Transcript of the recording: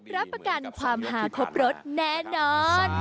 รับประกันความหาครบรสแน่นอน